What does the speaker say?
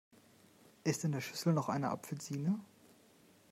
Ist in der Schüssel noch eine Apfelsine?